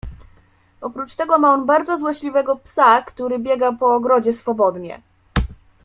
"Oprócz tego ma on bardzo złośliwego psa, który biega po ogrodzie swobodnie."